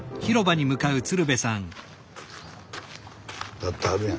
歌ってはるやん。